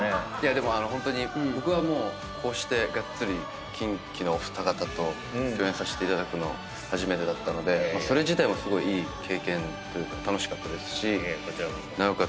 でもホントに僕はもうこうしてがっつりキンキのお二方と共演させていただくの初めてだったのでそれ自体もすごいいい経験というか楽しかったですしなおかつ